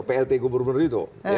plt gubernur itu